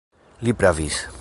Li pravis.